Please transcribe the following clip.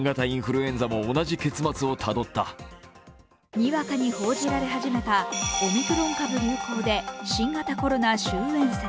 にわかに報じられ始めたオミクロン株流行で新型コロナ終えん説。